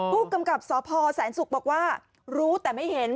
ผู้กำกับสพแสนศุกร์บอกว่ารู้แต่ไม่เห็น